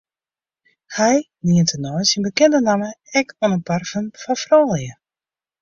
Hy lient tenei syn bekende namme ek oan in parfum foar froulju.